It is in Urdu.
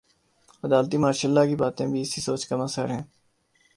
عدالتی مارشل لا کی باتیں بھی اسی سوچ کا مظہر ہیں۔